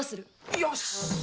よし！